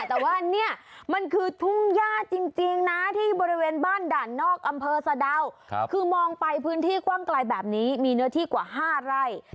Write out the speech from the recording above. แต่ว่าเนี่ยมันคือทุ่งย่าจริงนะที่บริเวณบ้านด่านนอกอำเภอสะดาวคือมองไปพื้นที่กว้างไกลแบบนี้มีเนื้อที่กว่า๕ไร่